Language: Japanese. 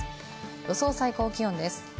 予想最高気温です。